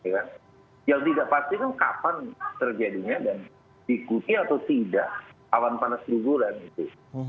yang tidak pasti kan kapan terjadinya dan diikuti atau tidak awan panas guguran itu